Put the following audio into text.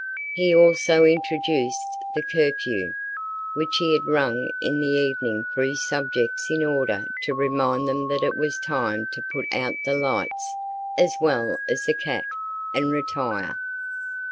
He also introduced the curfew, which he had rung in the evening for his subjects in order to remind them that it was time to put out the lights, as well as the cat, and retire.